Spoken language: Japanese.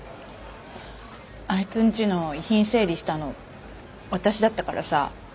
あいつんちの遺品整理したの私だったからさ。